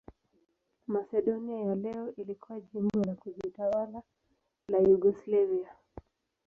Masedonia ya leo ilikuwa jimbo la kujitawala la Yugoslavia.